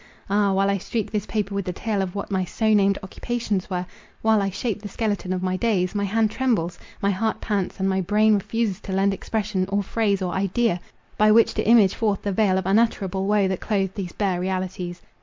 Ah! while I streak this paper with the tale of what my so named occupations were—while I shape the skeleton of my days—my hand trembles—my heart pants, and my brain refuses to lend expression, or phrase, or idea, by which to image forth the veil of unutterable woe that clothed these bare realities.